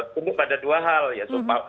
tumbuh pada dua hal ya